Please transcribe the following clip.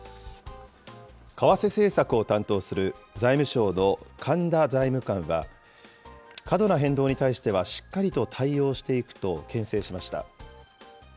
為替政策を担当する財務省の神田財務官は、過度な変動に対してはしっかりと対応していくとけん制しました。